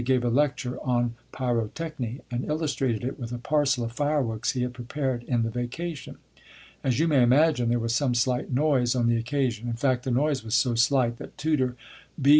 gave a lecture on Pyrotechny, and illustrated it with a parcel of fireworks he had prepared in the vacation. As you may imagine, there was some slight noise on the occasion. In fact, the noise was so slight that Tutor B.